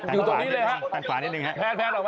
อยู่ตรงนี้เลยฮะแพนออกมาครับ